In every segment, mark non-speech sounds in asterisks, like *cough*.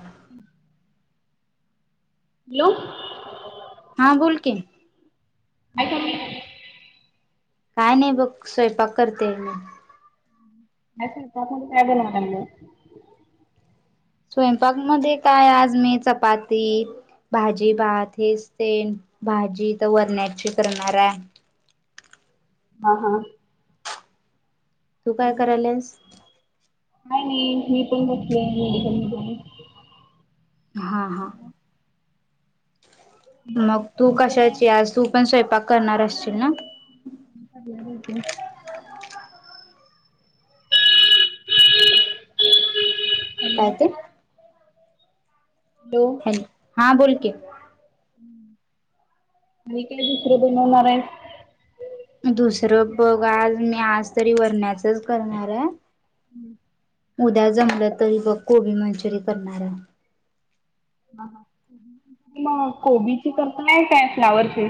*inaudible* Hello. हां बोल की. आईका की काय नाही बग, स्वयंपाक करते मी. काय स्वयंपाक मध्ये काय बनवालागलाय? स्वयंपाक मध्ये काय आज मी चपाती भाजी, भात हेच तेन. भाजी आता वरण्याची करणाराय. हा हा. तू काय कराल्यास? काय नई मी पण बसले मेडिकल मध्ये. हा हा. मग तू कोण कोण आहे? कशाची, आज तू पण स्वयंपाक करणार असशील ना? मी करणार हाय की. काय ते? हॅलो हा बोल की. हम्म, आणि काय दुसरं बनवणार हाईस? दुसरं बघ आज मी आज तरी वरण्याचच करणाराय. हम्म. उद्या जमलं तरी बग कोबी मंचुरी करणाराय. हा हा. मग कोबीची करताय काय फ्लावरची?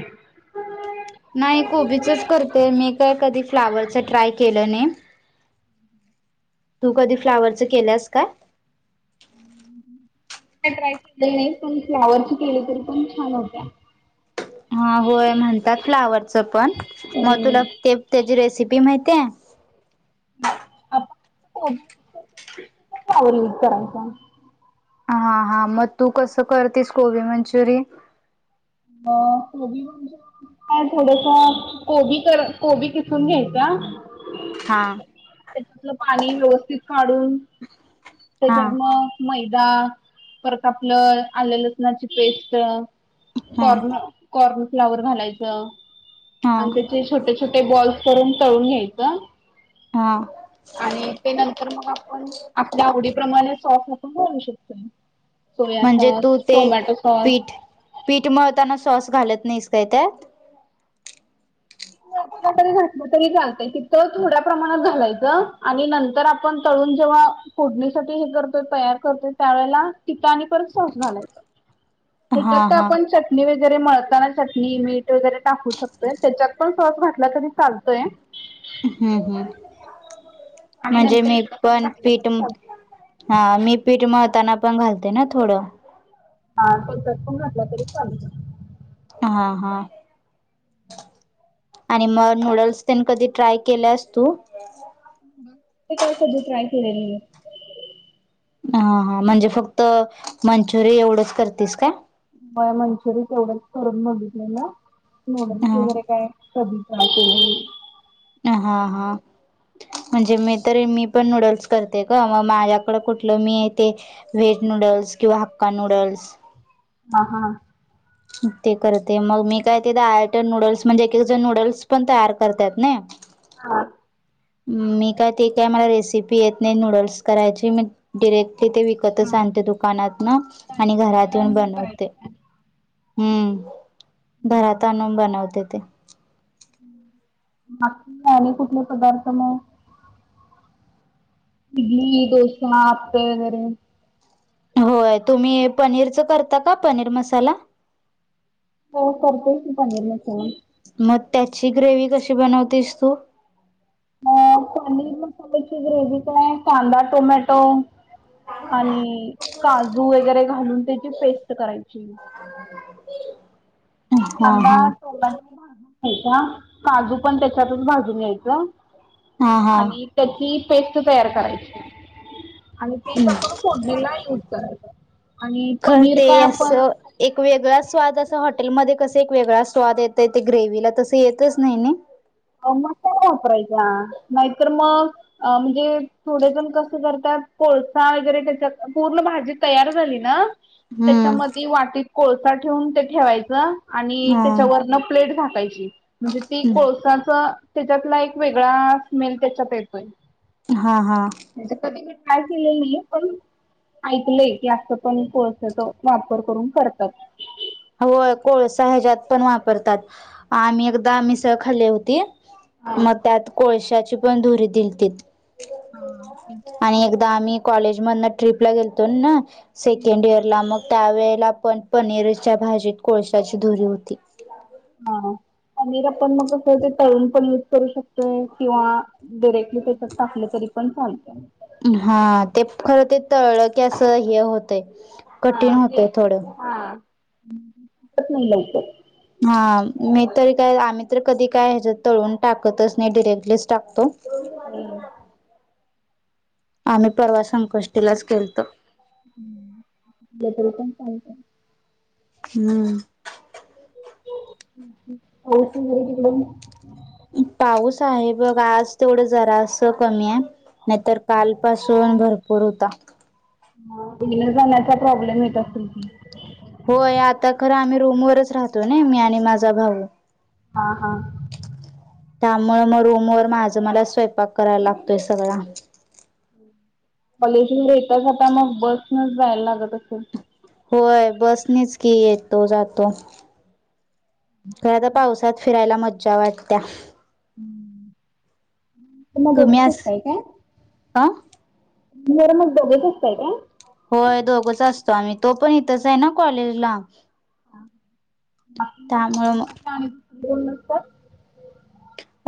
नाही, कोबीचच करते मी काय कधी फ्लावरच ट्राय केलं नई. तू कधी फ्लावरच केल्यास काय? *inaudible* मी काय ट्राय केली नाही. पण फ्लावरची केले तरी पण छान होत्या. हा होय म्हणतात फ्लावरच पण, मग तुला हम्म. ते त्याची रेसिपी माहितीय? *unintelligible* फ्लॉवर यूज करायचा. हा हा, मग तू कसं करतीस कोबी मंचुरि? कोबी म्हणजे काय थोडस कोबी कर कोबी किसून घ्यायचा. हा त्याच्यातलं पाणी व्यवस्थित काढून हा त्याच्यात मग मैदा दा परत आपलं आलं लसणाची पेस्ट हा कॉर्न कॉर्न फ्लावर घालायचं हा आणि त्याचे छोटे छोटे बॉल्स करून तळून घ्यायचं. हा आणि ते नंतर मग आपण आपल्या आवडीप्रमाणे सॉफ्ट करू शकतेय. म्हणजे तू ते सॉस पीठ पीठ मळताना सॉस घालत नाहीस काय त्यात, तरी घातलं तरी चालतय क थोड्या प्रमाणात घालायचं आणि नंतर आपण तळून ण जेव्हा फोडणीसाठी हे करतोय तयार करतोय त्यावेळेला तित आणि परत सॉस घालायच. त्याच्यात हा तर हा. आपण चटणी वगैरे मळताना चटणी मीठ वगैरे टाकू शकतोय त्याच्यात पण सॉस घातला तरी चालतोय. हम्म हम्म आणि म्हणजे नंतर मी इकडं पण घातला पीठ तरी चालतोय. हा मी पीठ म मळताना पण घालते ना थोडं *unintelligible* हा हा आणि मग नूडल्स त्यांने कधी ट्राय केलेयस तू *unintelligible* हा हा म्हणजे फक्त मंचुरिय एवढंच करतेस का? म मंचुरी एवढंच करून बघितले ना मु हा वगैरे काय कधी ह श *inaudible* हा हा म्हणजे मी तर मी पण नूडल्स करते का मग माझ्याकड कुठलं मी ते व्हेट न नूडल्स किंवा हक्का नूडल्स ह हा ते करते मग मी काय तेथ आयट नूडल्स म्हणजे एके जण नूडल्स पण तयार करतात ना हा मी काय ते काय मला रेसिपी येत नाही नूडल्स करायची म डिरेक्टली ते विकतच हा. आणते दुकानातन आणि डाळीची घरात तयारी येऊन आणून बनवते. करायची हम्म घरात आणून बनवते ते आणि कुठले पदार्थ मग इडली, डोसा, आप्पे वगैरे होय तुम्ही पनीरच करता का पनीर मसाला हो करतोय की पनीर मसाला मग त्याची ग्रेवी कशी बनवतेस तू? अ पनीर मसाल्याची ग्रेवी काय कांदा, टोमॅटो आणि काजू वगैरे घालून त्याची पेस्ट करायची. हा कांदा, हा टोमॅटो भाजून घ्यायचा. काजू पण त्याच्यातच भाजून घ्यायच. हा आणि हा त्यांची पेस्ट तयार करायची. आणि ते आपण फोडनिला युज करायचं. आणि खर पनीर ते काय अस आपण एक वेगळा स्वाद अस हॉटेलमध्ये कस एक वेगळा स्वाद येतय ते ग्रेवीला तस येतच नाही नइ मग त्या नाही वापरायच्या नाहीतर मग म्हणजे थोडे जण कस करत्यात कोळसा वगैरे त्याच्या पूर्ण भाजी तयार झाली ना हम्म त्याच्यामध्ये वाटीत कोळसा ठेवून ते ठेवायच. आणि हा त्याच्यावरन प्लेट झाकायची म्हणजे ती कोळसा त्याच्यातला एक वेगळा स्मेल त्याच्यात येतोय. हा हा म्हणे कधी मी ट्राय केलेली नाही पण ऐकलय की असं पण कोळशाचा वापर करून करतात. व्हय, कोळसा ह्यज्यात पण वापरतात. आम्ही एकदा मिसळ खाल्ली होती. हा मग त्यात कोळशाची पण धुरी दिलतीत आणि एक दा आम्ही कॉलेजमदन ट्रिप ला गेलतो ना सेकंड इयरला मग त्यावेेळेला पण पनीरच्या भाजीत कोळशाची धुरी हुती. आ हां. पनीर पण मग *unintelligible* तळून पण युज करू शकतोय किंवा डिरेक्ट *unintelligible* टाकलं तरी पण चालतय. हां ते खरं ते तळल की अस हे व्हतंय. कठीण हा ते होतय थोडं *unintelligible* हा मी तरी काय आम्ही तर कधी काय हे तळून टाकतच नाही डिरेक्टच टाकतो. हम्म. आम्ही परवा संकष्टीलाच केलतो. आणि काय? हूं. पाऊस वगैरे तिकड मग? पाऊस आहे, बघ आज तेवढं जरासं कमी हाय. नाहीतर कालपासून भरपूर हुता. मग *unintelligible* प्रॉब्लेम येत असल की होय आता खरं आम्ही रूमवरच राहतोय नइ, मी आणि माझा भाऊ. आ हां. त्यामुळं म रूमवर माझं मला स्वयंपाक करायला लागतोय सगळा. कॉलेजमधे येता जाता मग बसनच जायला लागत असल. व्हय. बसनीच की येतो जातो. खर, पावसात फिरायला मज्जा वाटतीया. तुम्ही दोघच असताय काय? अ रूमवर मग दोघच असताय का? स्वामी, तो पण इथच हाय ना कॉलेजला. त्यामुळे मग *unintelligible*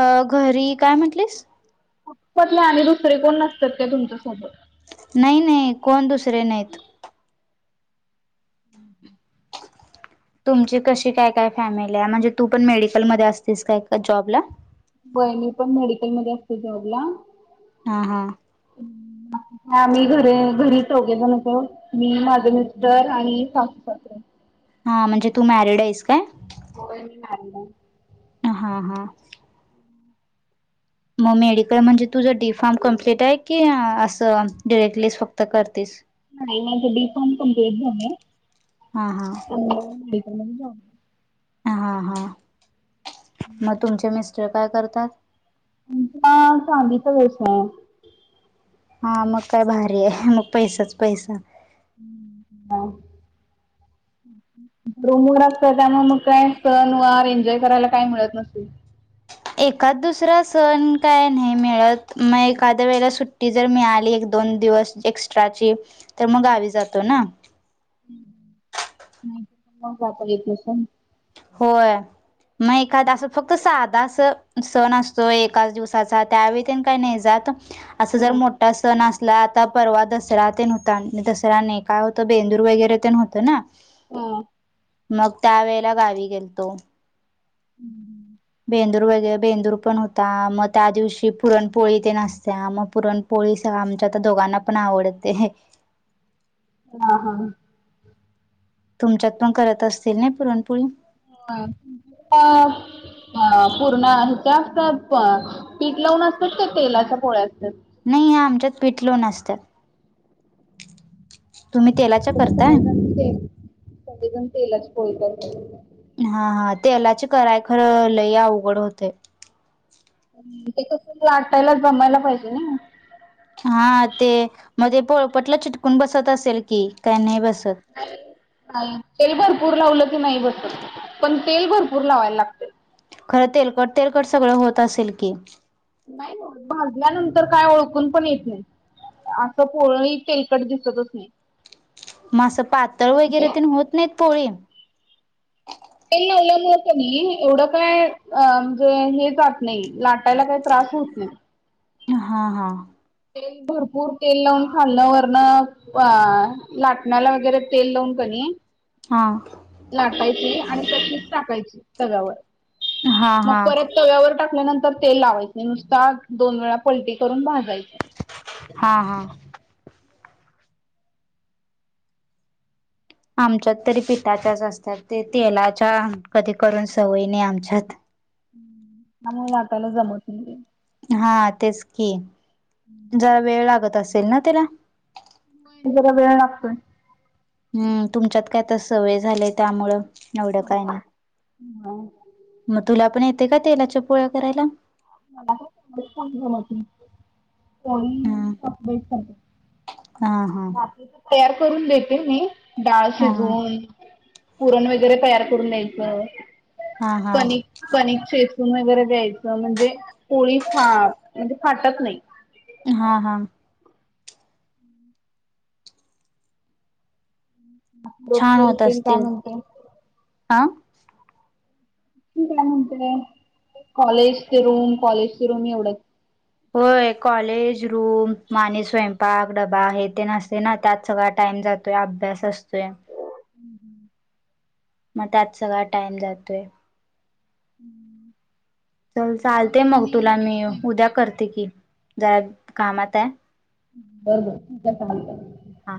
अं घरी काय म्हटलीस? *unintelligible* दुसरे कोण नसतात काय तुमच्यासोबत? नाइ नाई, कोण दुसरे नाहीत. *inaudible* तुमची कशी काय काय फॅमिली आहे म्हणजे तू पण मेडिकलमध्ये असतीस काय का जॉबला? वहिणी पण मेडिकल मध्ये असते जॉबला. हां हां. ह आम्ही घर घरी चौघेच नको मी माझं मिस्टर आणि सासर हो हा म्हणजे तू मॅरिड आहेस काय हो का अ हां हां. मग मेडिकल म्हणजे तुझं डी फॉर्म कंप्लीट हाय की असं डिरेक्टलीच फक्त करतेस? *unintelligible* हा हा *unintelligible* हां हां, म तुमचे मिस्टर काय करतात? आमचा चांदीचा व्यवसाय. हां मग काय भारी हाय म पैसाच पैसा. हां. रूमवर असतय त्यामुळे मग काय सण वार एन्जॉय करायला काय मिळत नसतय. एकाद दुसरा सण काय नाही मिळत, मग एखाद्या वेळेला सुट्टी जर मिळाली एक दोन दिवस एक्स्ट्राचे तर मग गावी जातो ना. *unintelligible* होय मग एखादा अस फक्त साधा अस सण असतो एकाच दिवसाचा त्यावेळी ते काही नाही जात असं जर हा मोठा सण असत ला आता परवा दसरा ते न होता दसरा्या न काय होत बेंदूर वगैरे ते न होतं ना हा मग त्या वेळेला गावी गेलतो भेंदूर वगरे भेंदूर पण होता मग त्या दिवशी पुरणपोळी ते नसत मग पुरणपोळी *inaudible* ळीस आमच्या दोघांना पण आवडते ह हा तुमच्यात पण करत असतील ना पुरणपोळी पूर्ण आहे जास्त पीठ लावून असतात ते तेलाच्या पोळ्या असतात? नाही या आमच्यात पिठ लो न असतात इकड सडेजण ते सगडेजण तेलाच पळतात हा हा तेलाचे कराय खरं लय अवघड होते ते कला आटायलाच जमायला पाहिजे ना हा ते मध्ये पोळपटला चिटकून बसत असेल की काही नाही बसत तेल भरपूर लावल नाही बसत पण तेल भरपूर लावायला लागते खरं तेलकट तेलकट सगळं होत असेल की नाही भाजल्यानंतर काय ओळखून पण येत नाही असं पर्ही तेलकट दिसतच नाही मग असं पातळ जे वगैरे ते होत नाहीत पोळी तेल लावल्यामुळे एवढं काय अ म्हणजे हे जात नाही लाटायला काही त्रास होत नाही हा हा तेल भरपूर तेल लावून खालणं वरण अ लाटण्याला वगैरे तेल लावून कणी हा लाटायची आणि चच टाकायची तगावर हा मग हा परत तव्यावर टा आपल्या नंतर तेल लावायचं नुसता दोन वेळा पलटी करून भाजायचे हा हा आमच्यात तरी पिठाच्याच असतात ते तेलाच्या कधी करून सवयी नाही आमच्यात आ म वाटाला जमवत हा तेच की जरा वेळ लागत असेल ना त्याला जरा वेळ लागतोय हम्म तुमच्यात कायता सवय झालंय त्यामुळं एवढं काय नाही. हा मग तुला पण येते का तेलाच्या पोळ्या करायला. मला काम कोणी हम्म. अपेट करत. हा हा. भाकी तर तयार करून देते मी डाळ हा शिजवून पुरण वगैरे तयार करून द्यायचं हा हा. कणिक कनिक श वगैरे द्यायचं म्हणजे पोळी फा म्हणजे फाटत नाही हा हा छान भोपूरी होत तीन टाम असतील. होते हा. काय म्हणतय कॉलेजचे रूम कॉलेजचे रूम एवढच हो कॉलेज रूम माने स्वयंपाक डबा हे ते नसते ना त्यात सगळ टा जातोय अभ्यास असतोय हम्म हम् मग त्यात सगळा टाइम जातोय हम्म चल चालते मग तुला मी उद्या करते कि जरा कामात आहे. बरोबर ठीक चालत हा.